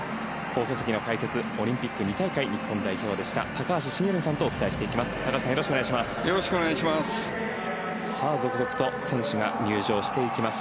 放送席の解説オリンピック２大会日本代表でした高橋さんとお伝えしていきます。